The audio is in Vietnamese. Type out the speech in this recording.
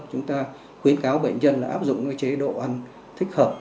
chúng ta khuyến cáo bệnh nhân là áp dụng chế độ ăn thích hợp